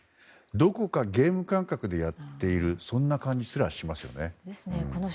どこかゲーム感覚でやっている感じすらしますよね。